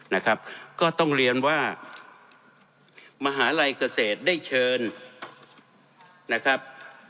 นะครับก็ต้องเรียนว่ามหาลัยเกษตรได้เชิญนะครับ